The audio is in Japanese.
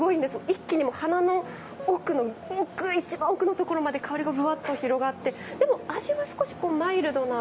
一気に鼻の奥の奥一番奥のところまで香りがブワッと広がってでも味は少しマイルドな。